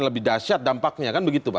lebih dahsyat dampaknya kan begitu pak